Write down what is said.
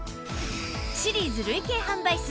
シリーズ累計販売数